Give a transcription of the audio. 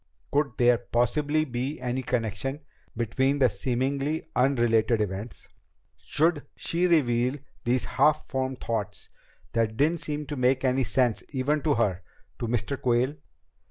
Could there possibly be any connection between the seemingly unrelated events? Should she reveal these half formed thoughts that didn't seem to make any sense even to her to Mr. Quayle?